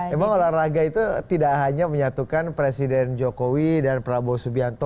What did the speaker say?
emang olahraga itu tidak hanya menyatukan presiden jokowi dan prabowo subianto